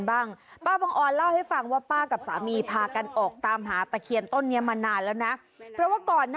อ้าวร้องกากากาละเกดกาละเกด